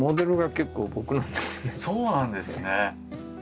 そうなんですね。